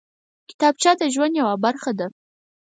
کتابچه د ژوند یوه برخه ده